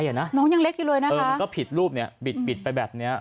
มันก็ผิดรูปปิดไปแบบนี้